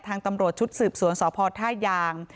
ตำรวจชุดสืบสวนสพท่ายาง